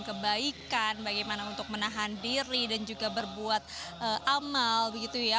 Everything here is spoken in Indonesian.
kebaikan bagaimana untuk menahan diri dan juga berbuat amal begitu ya